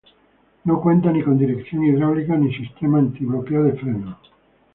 No cuenta ni con dirección hidráulica, ni sistema antibloqueo de frenos.